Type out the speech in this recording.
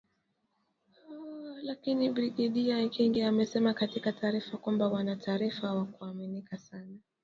Lakini Brigedia Ekenge amesema katika taarifa kwamba wana taarifa za kuaminika sana